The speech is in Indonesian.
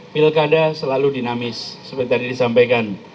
pilkada selalu dinamis seperti tadi disampaikan